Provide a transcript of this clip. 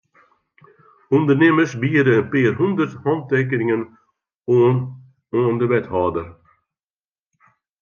Undernimmers biede in pear hûndert hantekeningen oan oan de wethâlder.